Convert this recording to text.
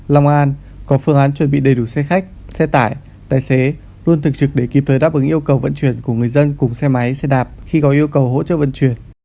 lòng an có phương án chuẩn bị đầy đủ xe khách xe tải tài xế luôn thường trực để kịp thời đáp ứng yêu cầu vận chuyển của người dân cùng xe máy xe đạp khi có yêu cầu hỗ trợ vận chuyển